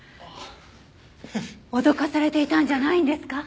脅かされていたんじゃないんですか？